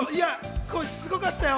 すごかったよ。